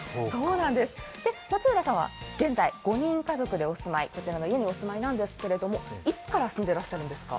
松浦さんは現在５人家族でお住まいなんですけどいつから住んでらっしゃるんですか？